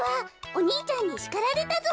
お兄ちゃんにしかられたぞ。